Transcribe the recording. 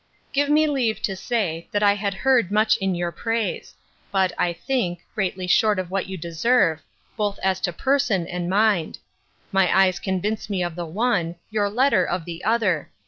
'Give me leave to say, that I had heard much in your praise; but, I think, greatly short of what you deserve, both as to person and mind: My eyes convince me of the one, your letter of the other.